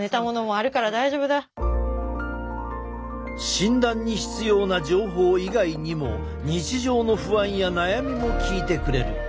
診断に必要な情報以外にも日常の不安や悩みも聞いてくれる。